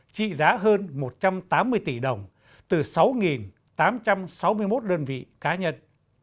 trị giá hơn một trăm tám mươi tỷ đồng từ sáu tám trăm sáu mươi một đơn vị cá nhân